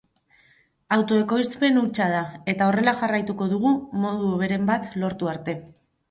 Autoekoizpen hutsa da, eta horrela jarraituko dugu modu hoberen bat lortu arte.